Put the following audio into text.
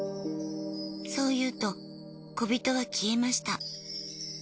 そう言うとこびとは消えました。